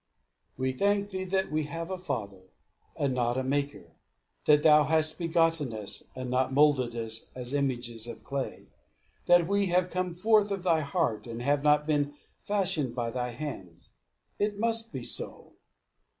"We thank thee that we have a father, and not a maker; that thou hast begotten us, and not moulded us as images of clay; that we have come forth of thy heart, and have not been fashioned by thy hands. It must be so.